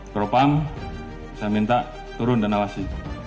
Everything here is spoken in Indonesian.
propam saya minta turun dan awasi